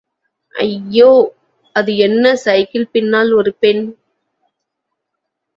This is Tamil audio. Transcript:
அய்ய்யோ... அது என்ன, சைக்கிள் பின்னால் ஒரு பெண்.